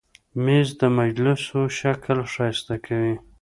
مېز د مجلسو شکل ښایسته کوي.